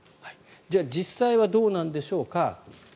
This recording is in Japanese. じゃあ、実際はどうなんでしょうか。